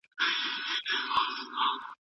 بوټي بې اغېزه نه دي.